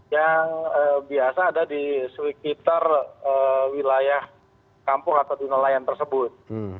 yang biasa ada di sekitar wilayah kampung atau di nelayan tersebut